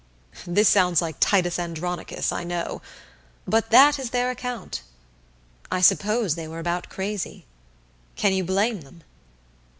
This sounds like Titus Andronicus, I know, but that is their account. I suppose they were about crazy can you blame them?